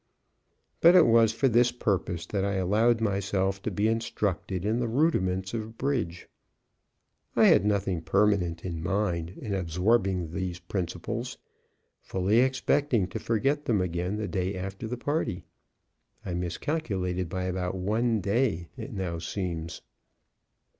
But it was for this purpose that I allowed myself to be instructed in the rudiments of bridge. I had nothing permanent in mind in absorbing these principles, fully expecting to forget them again the day after the party. I miscalculated by about one day, it now seems.